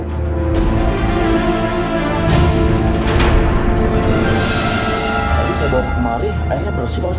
tadi saya bawa kemari airnya bersih pak ustaz